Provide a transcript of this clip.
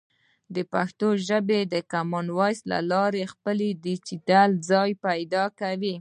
پښتو ژبه د کامن وایس له لارې خپل ډیجیټل ځای پیدا کوي.